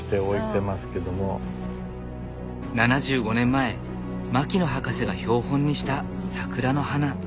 ７５年前牧野博士が標本にしたサクラの花。